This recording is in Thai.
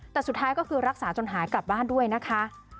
แต่สุดท้ายก็คือรักษาจนหายกลับบ้านด้วยนะคะ